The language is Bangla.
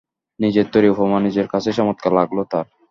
নিজের তৈরি উপমা নিজের কাছেই চমৎকার লাগল তাঁর।